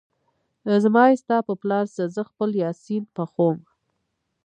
زما يې ستا په پلار څه ، زه خپل يا سين پخوم